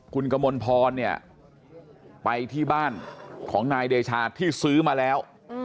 คุณกมลพรเนี่ยไปที่บ้านของนายเดชาที่ซื้อมาแล้ว